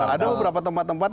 ada beberapa tempat tempat